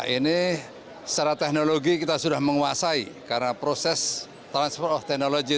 ini secara teknologi kita sudah menguasai karena proses transfer of technology